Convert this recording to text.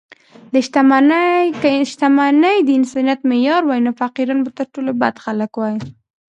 که شتمني د انسانیت معیار وای، نو فقیران به تر ټولو بد خلک وای.